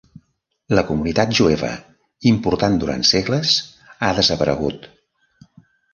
La comunitat jueva, important durant segles, ha desaparegut.